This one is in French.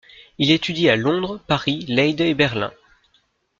Il étudie à Londres, Paris, Leyde et Berlin.